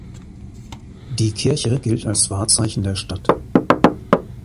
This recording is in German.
Die Kirche gilt als Wahrzeichen der Stadt.